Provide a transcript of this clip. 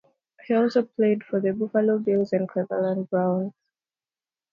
He also played for the Buffalo Bills and Cleveland Browns.